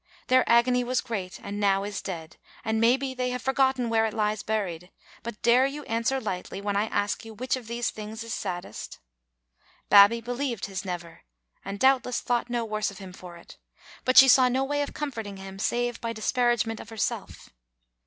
Their agony was great and now is dead, and, maybe, they have forgotten where it lies buried; but dare you answer lightly when I ask you which of these things is saddest? Babbie believed his " Never," and, doubtless, thought no worse of him for it; but she saw no way of comfort ing him save by disparagement of herself.